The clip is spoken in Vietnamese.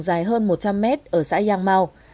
dài hơn một trăm linh m ở xã yang mao